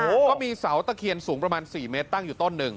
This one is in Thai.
โอ้โหก็มีเสาตะเคียนสูงประมาณสี่เมตรตั้งอยู่ต้นหนึ่ง